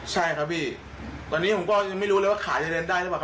ใช่ครับพี่ตอนนี้ผมก็ยังไม่รู้เลยว่าขายในเดือนได้หรือเปล่า